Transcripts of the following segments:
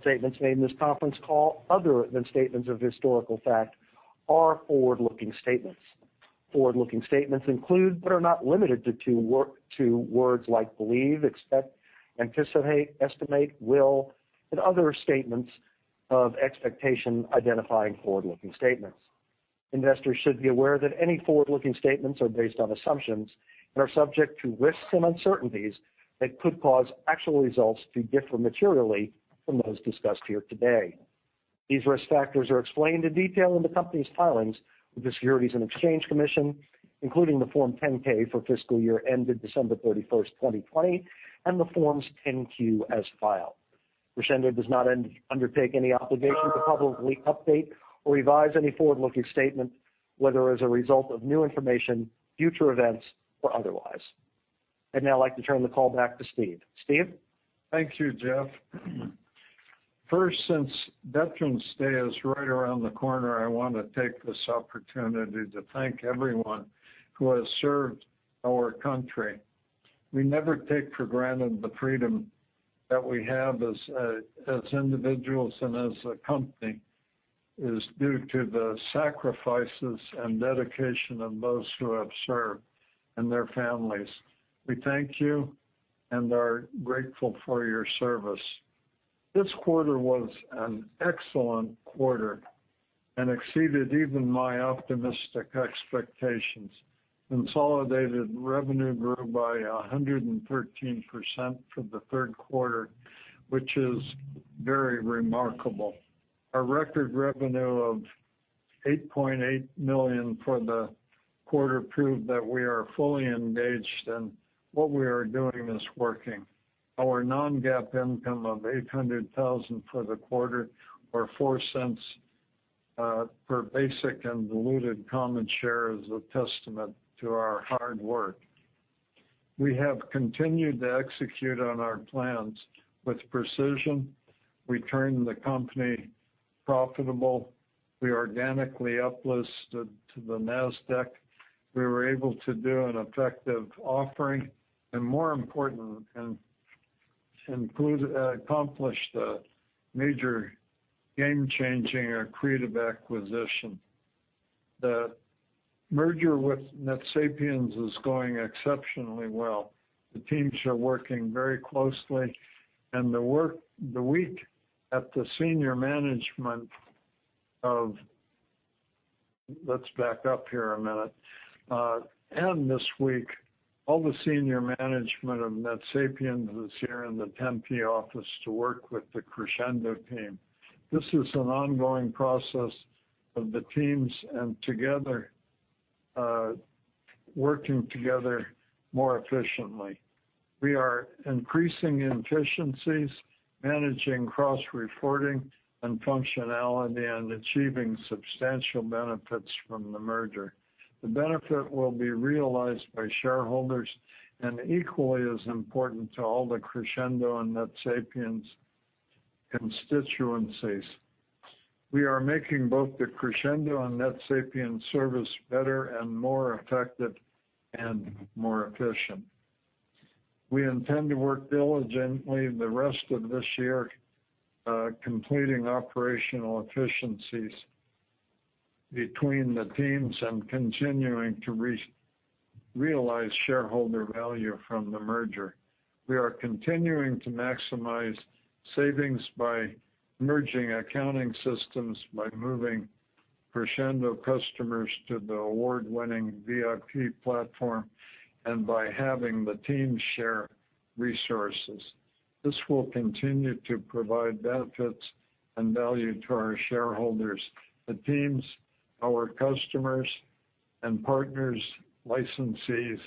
Statements made in this conference call other than statements of historical fact are forward-looking statements. Forward-looking statements include, but are not limited to, words like believe, expect, anticipate, estimate, will, and other statements of expectation identifying forward-looking statements. Investors should be aware that any forward-looking statements are based on assumptions and are subject to risks and uncertainties that could cause actual results to differ materially from those discussed here today. These risk factors are explained in detail in the company's filings with the Securities and Exchange Commission, including the Form 10-K for fiscal year ended December 31, 2020, and the Forms 10-Q as filed. Crexendo does not undertake any obligation to publicly update or revise any forward-looking statement, whether as a result of new information, future events or otherwise. I'd now like to turn the call back to Steve. Steve? Thank you, Jeff. First, since Veterans Day is right around the corner, I wanna take this opportunity to thank everyone who has served our country. We never take for granted the freedom that we have as as individuals and as a company, is due to the sacrifices and dedication of those who have served and their families. We thank you and are grateful for your service. This quarter was an excellent quarter and exceeded even my optimistic expectations. Consolidated revenue grew by 113% for the third quarter, which is very remarkable. Our record revenue of $8.8 million for the quarter proved that we are fully engaged and what we are doing is working. Our non-GAAP income of $800,000 for the quarter or $0.04 per basic and diluted common share is a testament to our hard work. We have continued to execute on our plans with precision. We turned the company profitable. We organically uplisted to the Nasdaq. We were able to do an effective offering and more important, accomplish the major game-changing accretive acquisition. The merger with NetSapiens is going exceptionally well. The teams are working very closely and. Let's back up here a minute. This week, all the senior management of NetSapiens is here in the Tempe office to work with the Crexendo team. This is an ongoing process of the teams and together, working together more efficiently. We are increasing efficiencies, managing cross-reporting and functionality, and achieving substantial benefits from the merger. The benefit will be realized by shareholders and equally as important to all the Crexendo and NetSapiens constituencies. We are making both the Crexendo and NetSapiens service better and more effective and more efficient. We intend to work diligently the rest of this year, completing operational efficiencies between the teams and continuing to realize shareholder value from the merger. We are continuing to maximize savings by merging accounting systems, by moving Crexendo customers to the award-winning VIP platform, and by having the team share resources. This will continue to provide benefits and value to our shareholders, the teams, our customers and partners, licensees,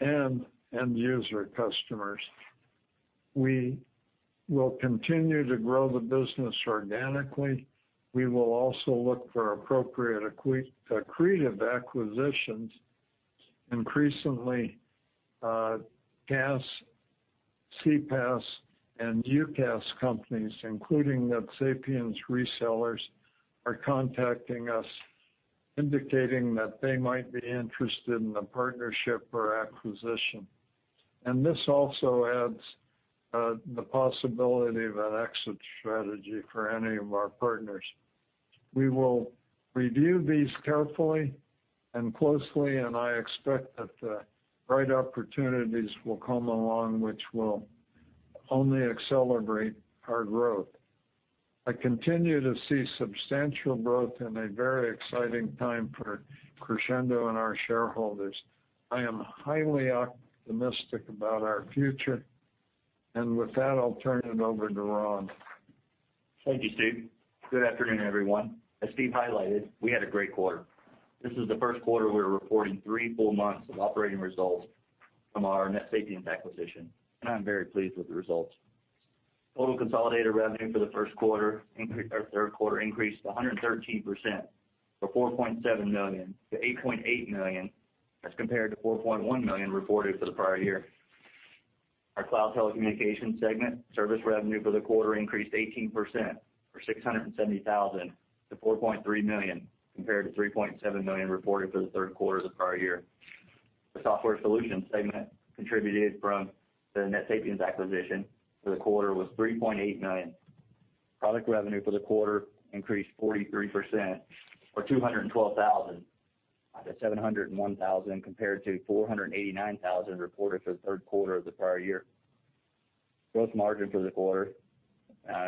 and end user customers. We will continue to grow the business organically. We will also look for appropriate accretive acquisitions. Increasingly, CaaS, CPaaS, and UCaaS companies, including NetSapiens resellers, are contacting us, indicating that they might be interested in a partnership or acquisition. This also adds the possibility of an exit strategy for any of our partners. We will review these carefully and closely, and I expect that the right opportunities will come along, which will only accelerate our growth. I continue to see substantial growth and a very exciting time for Crexendo and our shareholders. I am highly optimistic about our future. With that, I'll turn it over to Ron. Thank you, Steve. Good afternoon, everyone. As Steve highlighted, we had a great quarter. This is the first quarter we're reporting three full months of operating results from our NetSapiens acquisition, and I'm very pleased with the results. Total consolidated revenue for the third quarter increased 113% from $4.7 million to $8.8 million as compared to $4.1 million reported for the prior year. Our Cloud Telecommunications segment service revenue for the quarter increased 18% from $670,000 to $4.3 million compared to $3.7 million reported for the third quarter of the prior year. The Software Solutions segment contributed from the NetSapiens acquisition for the quarter was $3.8 million. Product revenue for the quarter increased 43% or $212,000 out of $701,000, compared to $489,000 reported for the third quarter of the prior year. Gross margin for the quarter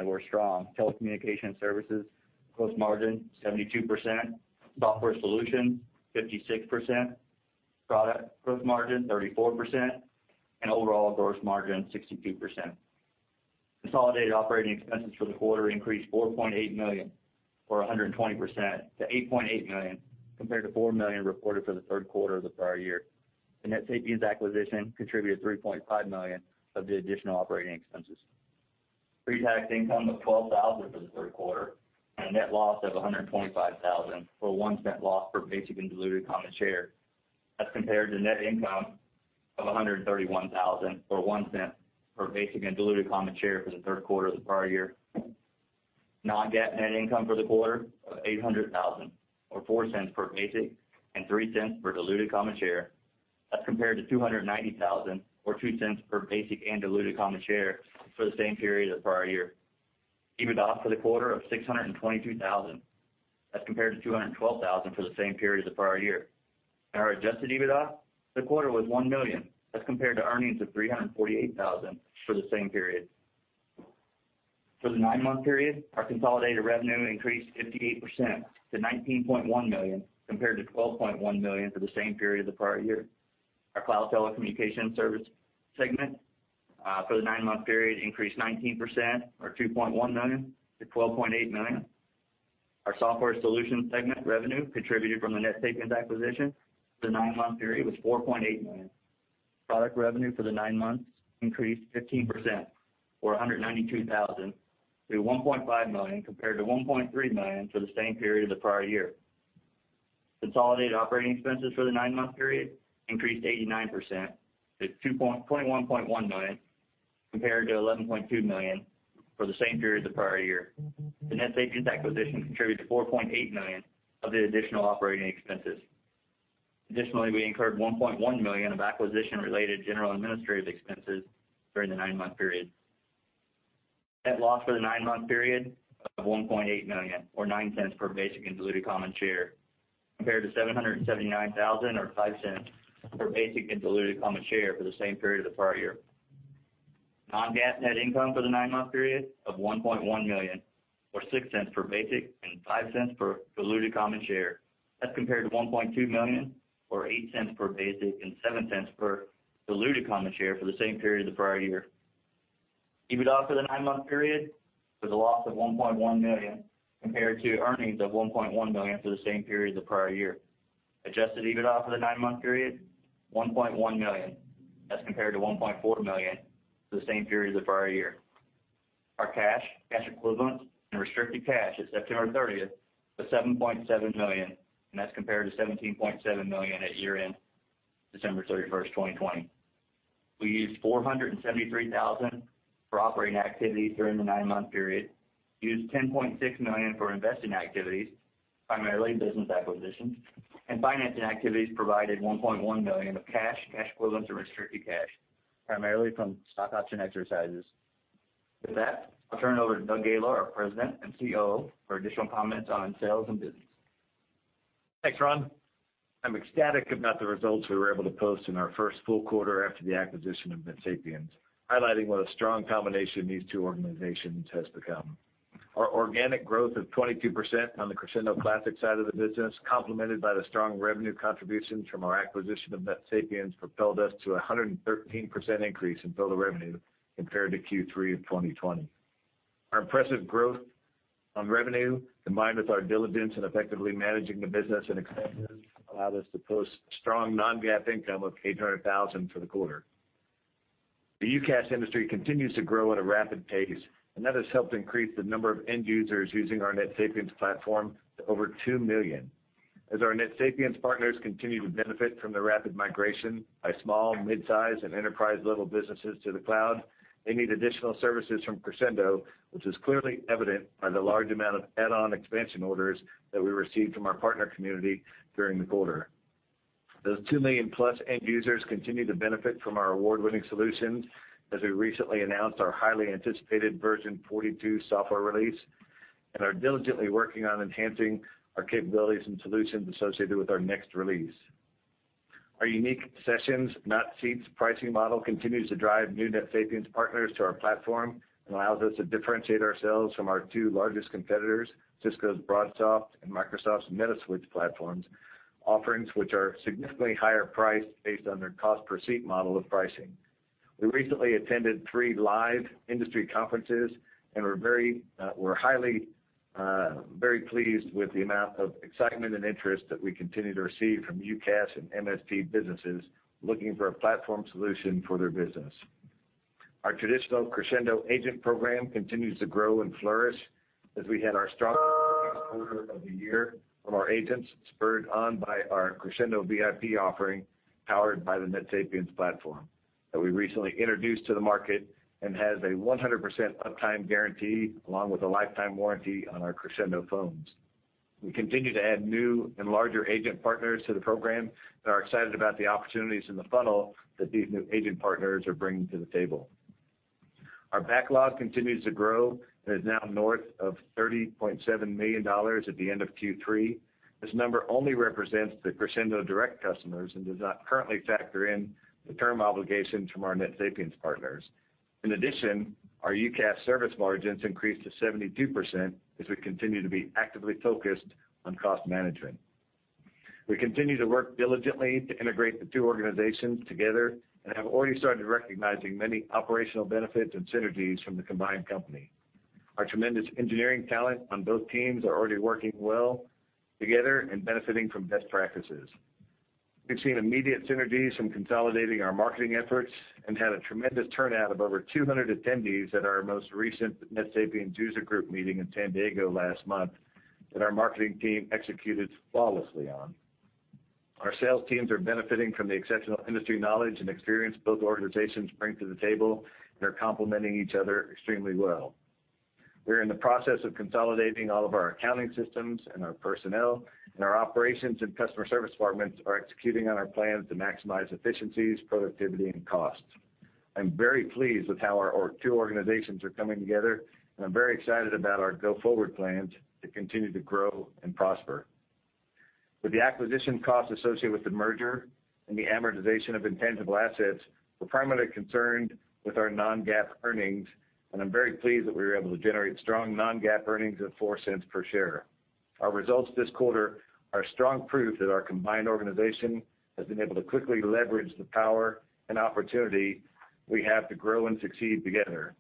were strong. Telecommunications services gross margin 72%, software solutions 56%, product gross margin 34%, and overall gross margin 62%. Consolidated operating expenses for the quarter increased $4.8 million or 120% to $8.8 million, compared to $4 million reported for the third quarter of the prior year. The NetSapiens acquisition contributed $3.5 million of the additional operating expenses. Pre-tax income of $12,000 for the third quarter at a net loss of $125,000 or $0.01 loss per basic and diluted common share. That's compared to net income of $131,000 or $0.01 per basic and diluted common share for the third quarter of the prior year. non-GAAP net income for the quarter of $800,000 or $0.04 per basic and $0.03 per diluted common share. That's compared to $290,000 or $0.02 per basic and diluted common share for the same period of the prior year. EBITDA for the quarter of $622,000, that's compared to $212,000 for the same period of the prior year. Our adjusted EBITDA for the quarter was $1 million, that's compared to earnings of $348,000 for the same period. For the nine-month period, our consolidated revenue increased 58% to $19.1 million, compared to $12.1 million for the same period of the prior year. Our cloud telecommunication service segment for the nine-month period increased 19% or $2.1 million to $12.8 million. Our software solution segment revenue contributed from the NetSapiens acquisition for the nine-month period was $4.8 million. Product revenue for the nine months increased 15% or $192,000 to $1.5 million compared to $1.3 million for the same period of the prior year. Consolidated operating expenses for the nine-month period increased 89% to $21.1 million, compared to $11.2 million for the same period of the prior year. The NetSapiens acquisition contributed to $4.8 million of the additional operating expenses. Additionally, we incurred $1.1 million of acquisition-related general and administrative expenses during the nine-month period. Net loss for the nine-month period of $1.8 million or $0.09 per basic and diluted common share, compared to $779,000 or $0.05 per basic and diluted common share for the same period of the prior year. Non-GAAP net income for the nine-month period of $1.1 million or $0.06 per basic and $0.05 per diluted common share. That's compared to $1.2 million or $0.08 per basic and $0.07 per diluted common share for the same period of the prior year. EBITDA for the nine-month period was a loss of $1.1 million, compared to earnings of $1.1 million for the same period of the prior year. Adjusted EBITDA for the nine-month period, $1.1 million. That's compared to $1.4 million for the same period of the prior year. Our cash equivalents and restricted cash at September 30 was $7.7 million, and that's compared to $17.7 million at year-end December 31, 2020. We used $473,000 for operating activities during the nine-month period. Used $10.6 million for investing activities, primarily business acquisitions. Financing activities provided $1.1 million of cash equivalents or restricted cash, primarily from stock option exercises. With that, I'll turn it over to Doug Gaylor, our President and COO for additional comments on sales and business. Thanks, Ron. I'm ecstatic about the results we were able to post in our first full quarter after the acquisition of NetSapiens, highlighting what a strong combination these two organizations has become. Our organic growth of 22% on the Crexendo Classic side of the business, complemented by the strong revenue contributions from our acquisition of NetSapiens, propelled us to a 113% increase in billings compared to Q3 of 2020. Our impressive growth in revenue, combined with our diligence in effectively managing the business and expenses, allowed us to post strong non-GAAP income of $800,000 for the quarter. The UCaaS industry continues to grow at a rapid pace, and that has helped increase the number of end users using our NetSapiens platform to over 2 million. As our NetSapiens partners continue to benefit from the rapid migration by small, mid-size, and enterprise-level businesses to the cloud, they need additional services from Crexendo, which is clearly evident by the large amount of add-on expansion orders that we received from our partner community during the quarter. Those 2 million-plus end users continue to benefit from our award-winning solutions, as we recently announced our highly anticipated version 42 software release, and are diligently working on enhancing our capabilities and solutions associated with our next release. Our unique sessions, not seats pricing model, continues to drive new NetSapiens partners to our platform and allows us to differentiate ourselves from our two largest competitors, Cisco's BroadSoft and Microsoft's Metaswitch platforms, offerings which are significantly higher priced based on their cost per seat model of pricing. We recently attended three live industry conferences, and we're very pleased with the amount of excitement and interest that we continue to receive from UCaaS and MSP businesses looking for a platform solution for their business. Our traditional Crexendo agent program continues to grow and flourish as we had our strongest quarter of the year from our agents, spurred on by our Crexendo VIP offering, powered by the NetSapiens platform that we recently introduced to the market and has a 100% uptime guarantee along with a lifetime warranty on our Crexendo phones. We continue to add new and larger agent partners to the program and are excited about the opportunities in the funnel that these new agent partners are bringing to the table. Our backlog continues to grow and is now north of $30.7 million at the end of Q3. This number only represents the Crexendo direct customers and does not currently factor in the term obligations from our NetSapiens partners. In addition, our UCaaS service margins increased to 72% as we continue to be actively focused on cost management. We continue to work diligently to integrate the two organizations together and have already started recognizing many operational benefits and synergies from the combined company. Our tremendous engineering talent on both teams are already working well together and benefiting from best practices. We've seen immediate synergies from consolidating our marketing efforts and had a tremendous turnout of over 200 attendees at our most recent NetSapiens user group meeting in San Diego last month that our marketing team executed flawlessly on. Our sales teams are benefiting from the exceptional industry knowledge and experience both organizations bring to the table, and they're complementing each other extremely well. We're in the process of consolidating all of our accounting systems and our personnel, and our operations and customer service departments are executing on our plans to maximize efficiencies, productivity, and costs. I'm very pleased with how our two organizations are coming together, and I'm very excited about our go-forward plans to continue to grow and prosper. With the acquisition costs associated with the merger and the amortization of intangible assets, we're primarily concerned with our non-GAAP earnings, and I'm very pleased that we were able to generate strong non-GAAP earnings of $0.04 per share. Our results this quarter are strong proof that our combined organization has been able to quickly leverage the power and opportunity we have to grow and succeed together.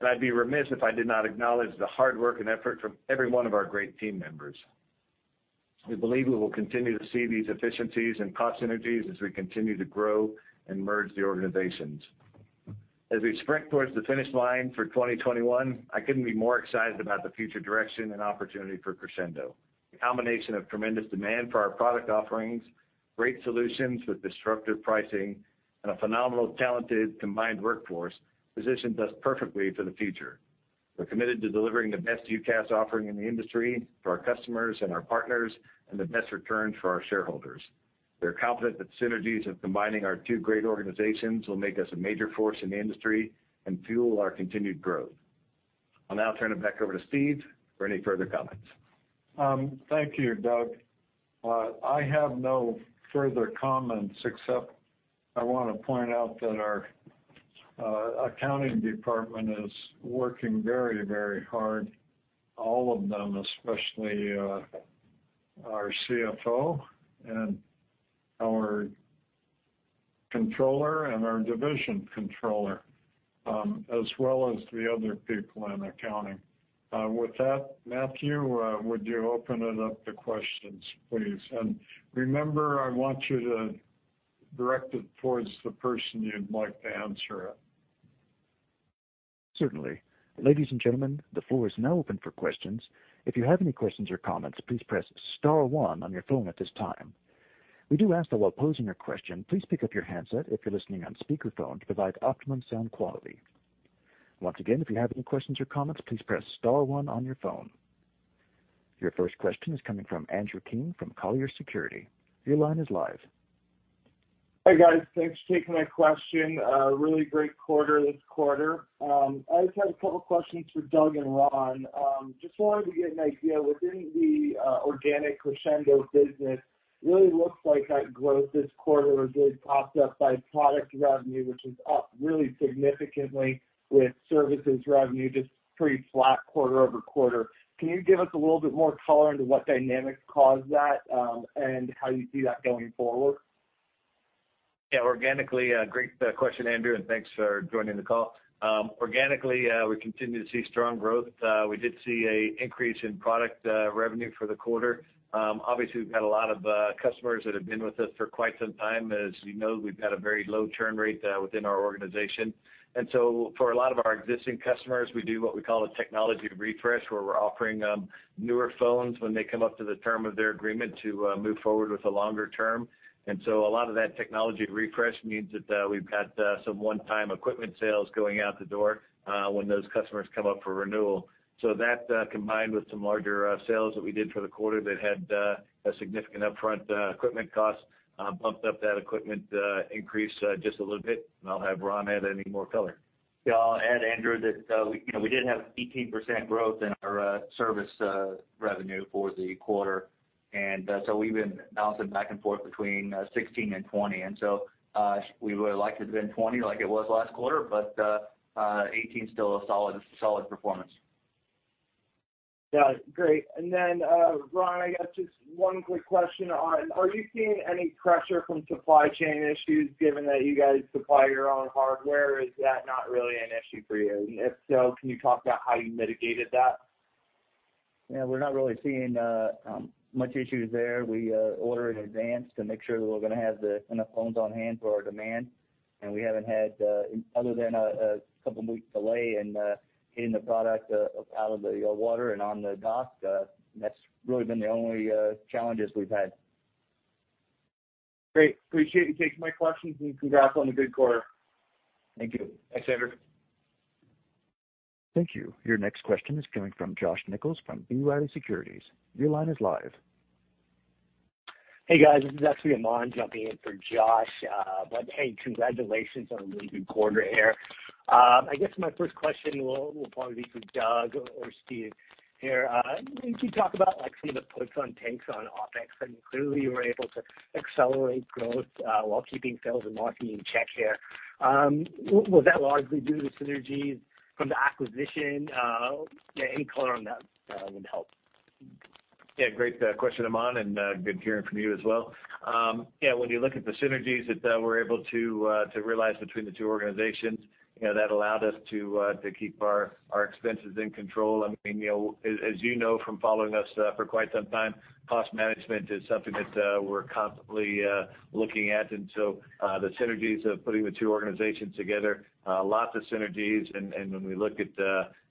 I'd be remiss if I did not acknowledge the hard work and effort from every one of our great team members. We believe we will continue to see these efficiencies and cost synergies as we continue to grow and merge the organizations. As we sprint towards the finish line for 2021, I couldn't be more excited about the future direction and opportunity for Crexendo. The combination of tremendous demand for our product offerings, great solutions with disruptive pricing, and a phenomenal, talented, combined workforce positions us perfectly for the future. We're committed to delivering the best UCaaS offering in the industry to our customers and our partners and the best return for our shareholders. We are confident that synergies of combining our two great organizations will make us a major force in the industry and fuel our continued growth. I'll now turn it back over to Steve for any further comments. Thank you, Doug. I have no further comments, except I wanna point out that our accounting department is working very, very hard, all of them, especially, our CFO and our controller and our division controller, as well as the other people in accounting. With that, Matthew, would you open it up to questions, please? Remember, I want you to direct it towards the person you'd like to answer it. Certainly. Ladies and gentlemen, the floor is now open for questions. If you have any questions or comments, please press star one on your phone at this time. We do ask that while posing your question, please pick up your handset if you're listening on speakerphone to provide optimum sound quality. Once again, if you have any questions or comments, please press star one on your phone. Your first question is coming from Andrew King from Colliers Securities. Your line is live. Hi, guys. Thanks for taking my question. Really great quarter this quarter. I just had a couple questions for Doug and Ron. Just wanted to get an idea, within the organic Crexendo business, really looks like that growth this quarter was really propped up by product revenue, which is up really significantly, with services revenue just pretty flat quarter-over-quarter. Can you give us a little bit more color into what dynamics caused that, and how you see that going forward? Yeah. Organically, great question, Andrew, and thanks for joining the call. Organically, we continue to see strong growth. We did see an increase in product revenue for the quarter. Obviously, we've had a lot of customers that have been with us for quite some time. As you know, we've had a very low churn rate within our organization. For a lot of our existing customers, we do what we call a technology refresh, where we're offering them newer phones when they come up to the term of their agreement to move forward with a longer term. A lot of that technology refresh means that we've had some one-time equipment sales going out the door when those customers come up for renewal. That combined with some larger sales that we did for the quarter that had a significant upfront equipment cost bumped up that equipment increase just a little bit. I'll have Ron add any more color. Yeah. I'll add, Andrew, that we, you know, we did have 18% growth in our service revenue for the quarter. So we've been bouncing back and forth between 16% and 20%. We would've liked to have been 20% like it was last quarter, but 18%'s still a solid performance. Yeah. Great. Ron, I got just one quick question. Are you seeing any pressure from supply chain issues given that you guys supply your own hardware? Is that not really an issue for you? And if so, can you talk about how you mitigated that? Yeah. We're not really seeing much issues there. We order in advance to make sure that we're gonna have enough phones on hand for our demand, and we haven't had other than a couple weeks delay in getting the product out of the water and on the dock, that's really been the only challenges we've had. Great. Appreciate you taking my questions, and congrats on a good quarter. Thanks, Andrew. Thank you. Your next question is coming from Josh Nichols from B. Riley Securities. Your line is live. Hey guys, this is actually Aman jumping in for Josh. Hey, congratulations on a really good quarter here. I guess my first question will probably be for Doug or Steve here. Can you talk about like some of the puts and takes on OpEx? Clearly you were able to accelerate growth while keeping sales and marketing in check here. Was that largely due to synergies from the acquisition? Yeah, any color on that would help. Yeah, great question, Aman, and good to hear from you as well. Yeah, when you look at the synergies that we're able to realize between the two organizations, you know, that allowed us to keep our expenses in control. I mean, you know, as you know from following us for quite some time, cost management is something that we're constantly looking at. The synergies of putting the two organizations together, lots of synergies. When we look at,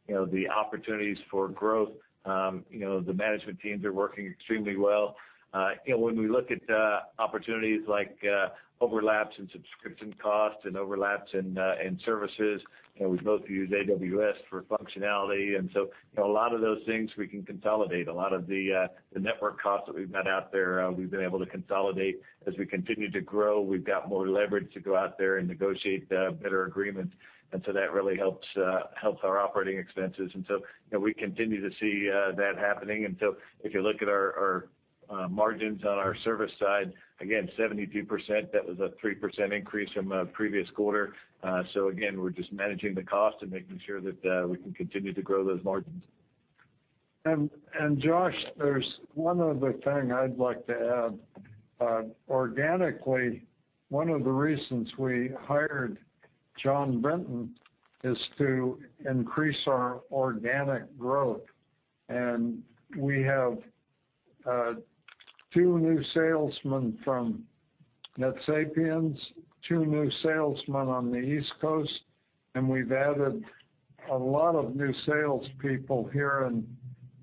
you know, the opportunities for growth, you know, the management teams are working extremely well. You know, when we look at opportunities like overlaps in subscription costs and overlaps in services, you know, we both use AWS for functionality. You know, a lot of those things we can consolidate. A lot of the network costs that we've got out there, we've been able to consolidate. As we continue to grow, we've got more leverage to go out there and negotiate better agreements, and so that really helps our operating expenses. You know, we continue to see that happening. If you look at our margins on our service side, again, 72%, that was a 3% increase from previous quarter. Again, we're just managing the cost and making sure that we can continue to grow those margins. Josh, there's one other thing I'd like to add. Organically, one of the reasons we hired Jon Brinton is to increase our organic growth. We have two new salesmen from NetSapiens, two new salesmen on the East Coast, and we've added a lot of new salespeople here in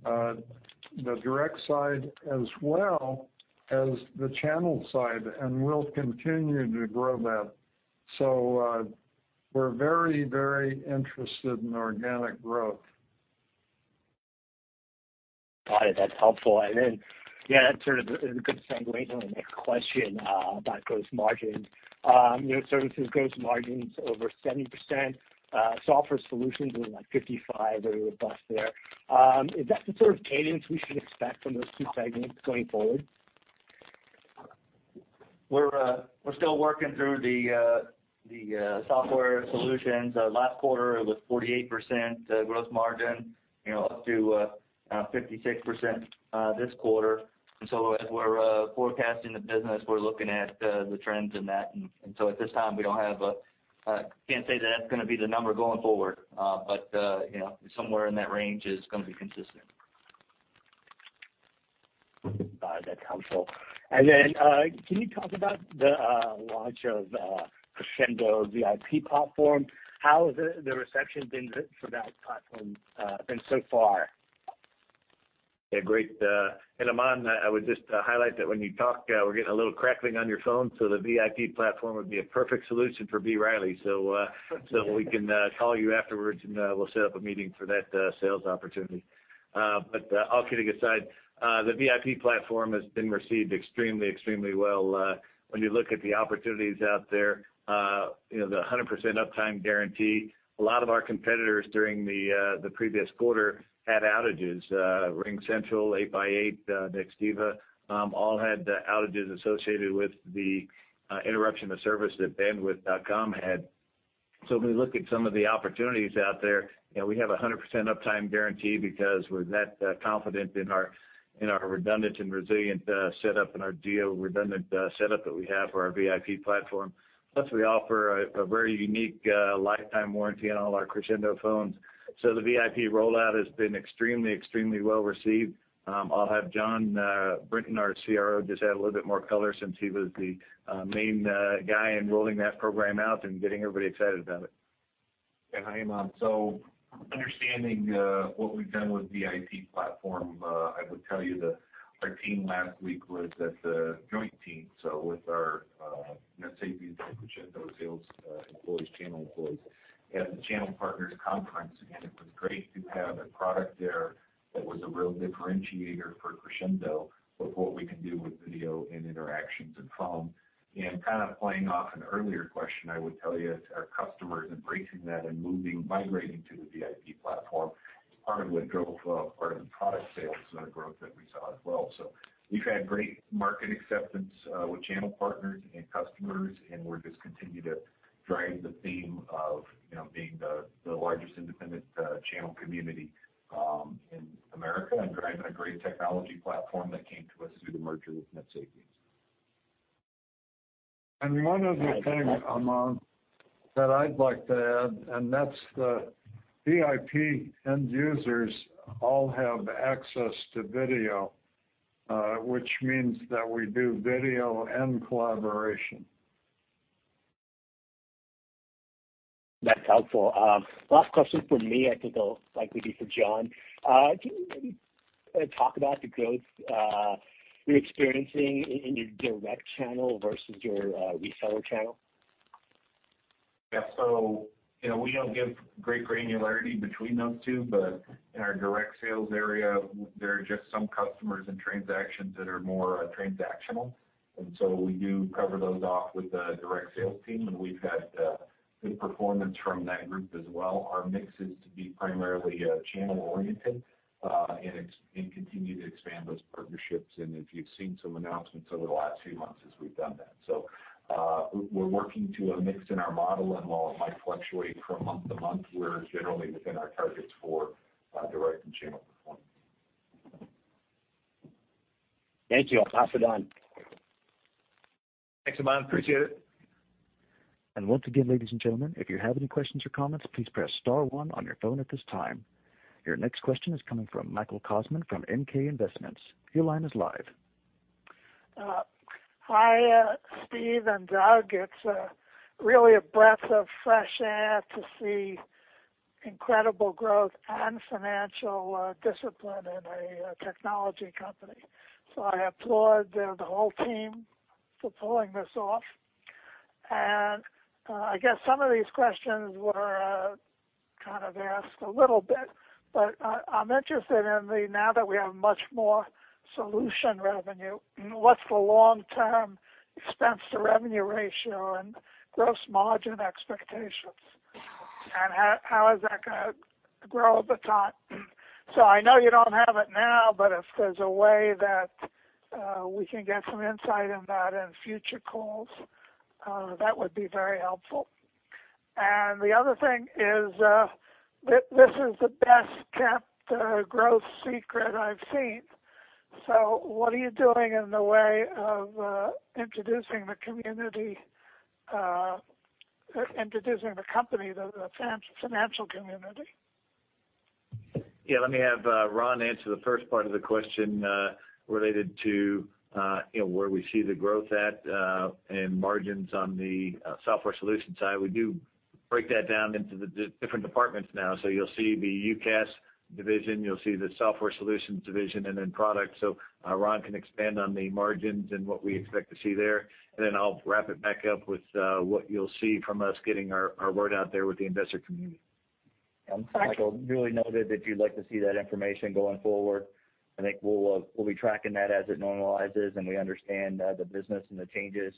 the direct side as well as the channel side, and we'll continue to grow that. We're very, very interested in organic growth. Got it. That's helpful. Yeah, that's sort of a good segue into my next question about growth margins. You know, services growth margins over 70%, software solutions was like 55%, very robust there. Is that the sort of cadence we should expect from those two segments going forward? We're still working through the software solutions. Last quarter it was 48% growth margin, you know, up to 56% this quarter. As we're forecasting the business, we're looking at the trends in that. At this time, we can't say that that's gonna be the number going forward. You know, somewhere in that range is gonna be consistent. Got it. That helps. Can you talk about the launch of Crexendo VIP platform? How is the reception been for that platform so far? Yeah, great. Aman, I would just highlight that when you talk, we're getting a little crackling on your phone, so the VIP platform would be a perfect solution for B. Riley. We can call you afterwards, and we'll set up a meeting for that sales opportunity. All kidding aside, the VIP platform has been received extremely well. When you look at the opportunities out there, you know, the 100% uptime guarantee. A lot of our competitors during the previous quarter had outages. RingCentral, 8x8, Nextiva, all had outages associated with the interruption of service that bandwidth.com had. When we look at some of the opportunities out there, you know, we have a 100% uptime guarantee because we're that confident in our redundant and resilient setup and our geo-redundant setup that we have for our VIP platform. We offer a very unique lifetime warranty on all our Crexendo phones. The VIP rollout has been extremely well received. I'll have Jon Brinton, our CRO, just add a little bit more color since he was the main guy in rolling that program out and getting everybody excited about it. Yeah. Hi, Aman. Understanding what we've done with VIP platform, I would tell you that our team last week was at the joint team, so with our NetSapiens and Crexendo sales employees, channel employees. At the channel partners conference, again, it was great to have a product there that was a real differentiator for Crexendo with what we can do with video and interactions and phone. Kind of playing off an earlier question, I would tell you it's our customers embracing that and moving, migrating to the VIP platform is part of what drove part of the product sales growth that we saw as well. We've had great market acceptance with channel partners and customers, and we'll just continue to drive the theme of, you know, being the largest independent channel community in America, and driving a great technology platform that came to us through the merger with NetSapiens. One other thing, Aman, that I'd like to add, and that's the VIP end users all have access to video, which means that we do video and collaboration. That's helpful. Last question from me, I think it'll likely be for Jon. Can you maybe talk about the growth you're experiencing in your direct channel versus your reseller channel? Yeah. You know, we don't give great granularity between those two, but in our direct sales area, there are just some customers and transactions that are more transactional. We do cover those off with the direct sales team, and we've had good performance from that group as well. Our mix is to be primarily channel oriented, and continue to expand those partnerships. If you've seen some announcements over the last few months, as we've done that. We're working to a mix in our model, and while it might fluctuate from month to month, we're generally within our targets for direct and channel performance. Thank you. I'll pass it on. Thanks, Aman. Appreciate it. Once again, ladies and gentlemen, if you have any questions or comments, please press star one on your phone at this time. Your next question is coming from Michael Kaufman from MK Investments. Your line is live. Hi, Steve and Doug. It's really a breath of fresh air to see incredible growth and financial discipline in a technology company. I applaud the whole team for pulling this off. I guess some of these questions were kind of asked a little bit, but I'm interested in the now that we have much more solution revenue, what's the long-term expense to revenue ratio and gross margin expectations. How is that gonna grow over time. I know you don't have it now, but if there's a way that we can get some insight on that in future calls, that would be very helpful. The other thing is, this is the best-kept growth secret I've seen. What are you doing in the way of introducing the community, introducing the company to the financial community? Yeah. Let me have Ron answer the first part of the question, related to you know where we see the growth at and margins on the software solution side. We do break that down into the different departments now. You'll see the UCaaS division, you'll see the software solutions division and then product. Ron can expand on the margins and what we expect to see there. I'll wrap it back up with what you'll see from us getting our word out there with the investor community. Michael, duly noted that you'd like to see that information going forward. I think we'll be tracking that as it normalizes and we understand the business and the changes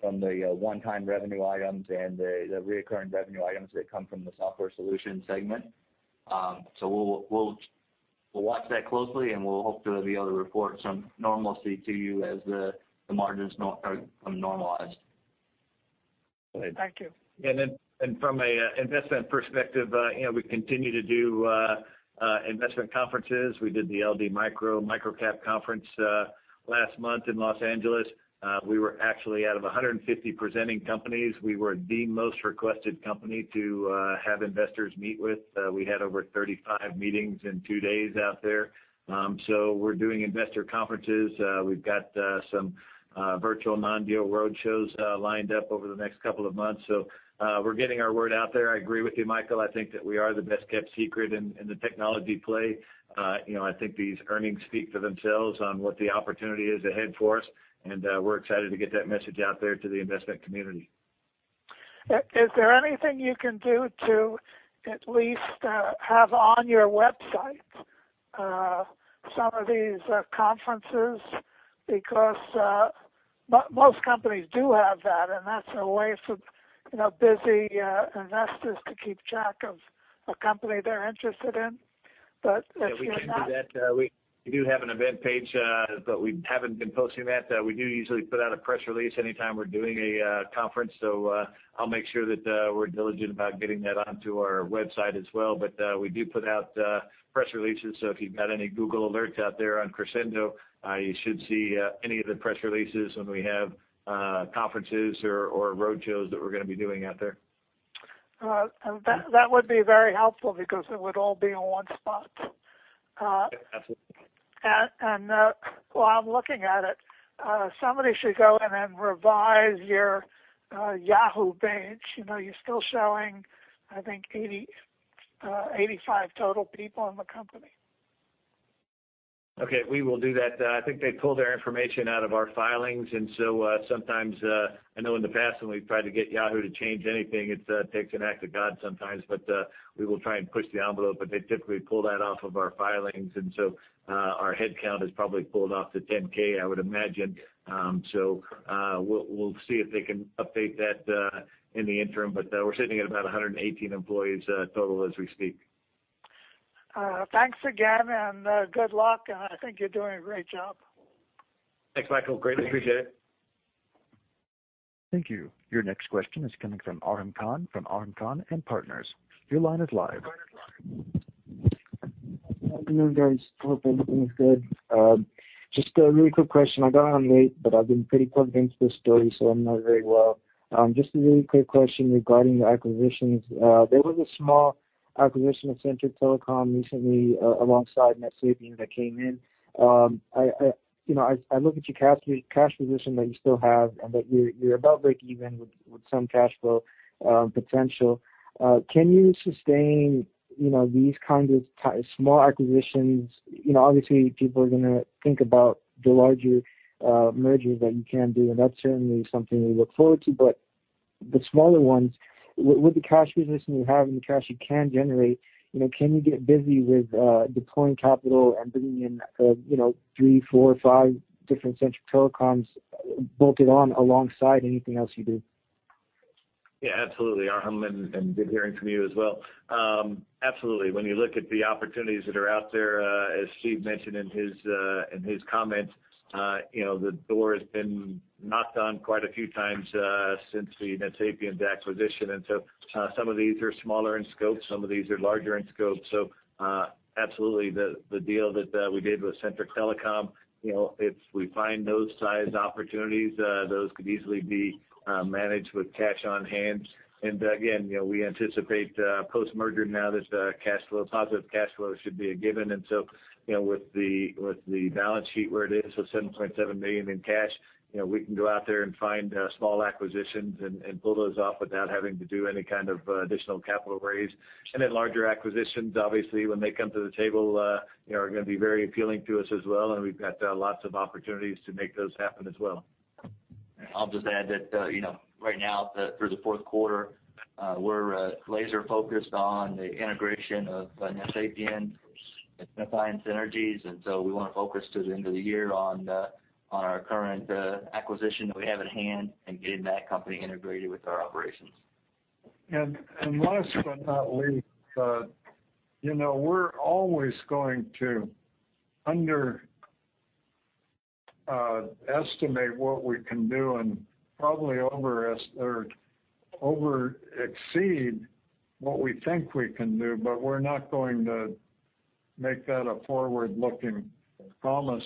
from the one-time revenue items and the recurring revenue items that come from the software solution segment. We'll watch that closely, and we'll hope to be able to report some normalcy to you as the margins are normalized. Thank you. From an investment perspective, you know, we continue to do investment conferences. We did the LD Micro microcap conference last month in Los Angeles. We were actually out of 150 presenting companies, we were the most requested company to have investors meet with. We had over 35 meetings in 2 days out there. We're doing investor conferences. We've got some virtual non-deal roadshows lined up over the next couple of months. We're getting our word out there. I agree with you, Michael, I think that we are the best-kept secret in the technology play. You know, I think these earnings speak for themselves on what the opportunity is ahead for us, and we're excited to get that message out there to the investment community. Is there anything you can do to at least have on your website some of these conferences? Because most companies do have that, and that's a way for, you know, busy investors to keep track of a company they're interested in. If you're not Yeah, we can do that. We do have an event page, but we haven't been posting that. We do usually put out a press release anytime we're doing a conference. I'll make sure that we're diligent about getting that onto our website as well. We do put out press releases. If you've got any Google alerts out there on Crexendo, you should see any of the press releases when we have conferences or roadshows that we're gonna be doing out there. All right. That would be very helpful because it would all be in one spot. Yeah. Absolutely. While I'm looking at it, somebody should go in and revise your Yahoo page. You know, you're still showing, I think 85 total people in the company. Okay. We will do that. I think they pull their information out of our filings, and so, sometimes, I know in the past when we've tried to get Yahoo to change anything, it takes an act of God sometimes. We will try and push the envelope, but they typically pull that off of our filings, and so, our headcount is probably pulled off the 10-K, I would imagine. We'll see if they can update that in the interim, but we're sitting at about 118 employees total as we speak. Thanks again, and good luck. I think you're doing a great job. Thanks, Michael. I greatly appreciate it. Thank you. Your next question is coming from Arham Khan from Arham Khan and Partners. Your line is live. How you doing, guys? Hope everything is good. Just a really quick question. I got on late, but I've been pretty plugged into this story, so I know it very well. Just a really quick question regarding the acquisitions. There was a small acquisition of Centric Telecom recently, alongside NetSapiens that came in. I, you know, look at your cash position that you still have and that you're about breakeven with some cash flow potential. Can you sustain, you know, these kinds of small acquisitions? You know, obviously, people are gonna think about the larger mergers that you can do, and that's certainly something we look forward to. The smaller ones, with the cash position you have and the cash you can generate, you know, can you get busy with deploying capital and bringing in, you know, three, four, five different Centric Telecoms bolted on alongside anything else you do? Yeah, absolutely, Arham, and good hearing from you as well. Absolutely. When you look at the opportunities that are out there, as Steve mentioned in his comments, you know, the door has been knocked on quite a few times since the NetSapiens acquisition. Some of these are smaller in scope, some of these are larger in scope. Absolutely, the deal that we did with Centric Telecom, you know, if we find those sized opportunities, those could easily be managed with cash on hand. Again, you know, we anticipate post-merger now that cash flow, positive cash flow should be a given. You know, with the balance sheet where it is, so $7.7 million in cash, you know, we can go out there and find small acquisitions and pull those off without having to do any kind of additional capital raise. Larger acquisitions, obviously, when they come to the table, you know, are gonna be very appealing to us as well, and we've got lots of opportunities to make those happen as well. I'll just add that, you know, right now, through the fourth quarter, we're laser focused on the integration of NetSapiens and identifying synergies. We wanna focus to the end of the year on our current acquisition that we have at hand and getting that company integrated with our operations. Last but not least, you know, we're always going to underestimate what we can do and probably overexceed what we think we can do, but we're not going to make that a forward-looking promise.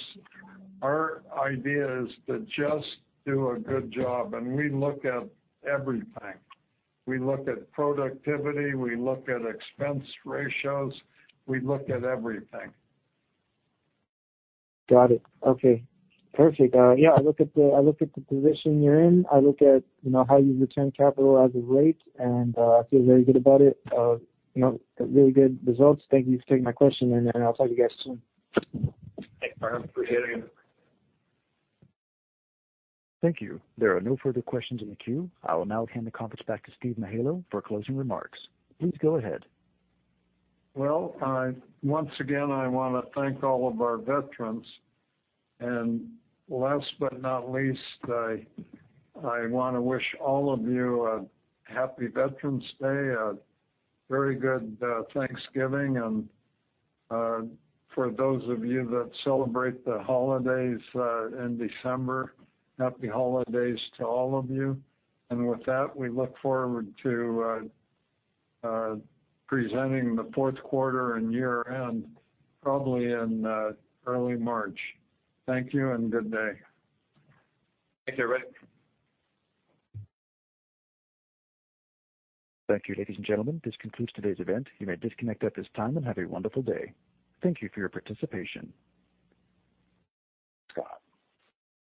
Our idea is to just do a good job, and we look at everything. We look at productivity, we look at expense ratios, we look at everything. Got it. Okay. Perfect. Yeah, I look at the position you're in. I look at, you know, how you return capital as of late, and I feel very good about it. You know, really good results. Thank you for taking my question, and I'll talk to you guys soon. Thanks, Arham. Appreciate it. Thank you. There are no further questions in the queue. I will now hand the conference back to Steve Mihaylo for closing remarks. Please go ahead. Well, once again, I wanna thank all of our veterans. Last but not least, I wanna wish all of you a Happy Veterans Day, a very good Thanksgiving. For those of you that celebrate the holidays in December, happy holidays to all of you. With that, we look forward to presenting the fourth quarter and year-end probably in early March. Thank you and good day. Thank you, Rick. Thank you, ladies and gentlemen. This concludes today's event. You may disconnect at this time and have a wonderful day. Thank you for your participation. Scott.